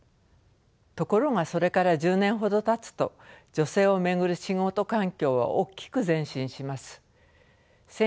ところがそれから１０年ほどたつと女性を巡る仕事環境は大きく前進します。